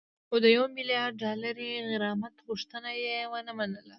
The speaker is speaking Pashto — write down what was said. خو د یو میلیارد ډالري غرامت غوښتنه یې ونه منله